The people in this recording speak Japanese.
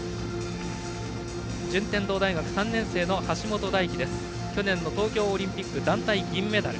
順天堂大学３年生の橋本大輝は去年の東京オリンピック団体銀メダル。